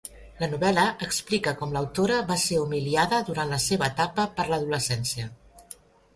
La novel·la explica com l'autora va ser humiliada durant la seva etapa per l'adolescència.